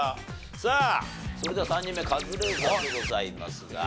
さあそれでは３人目カズレーザーでございますが。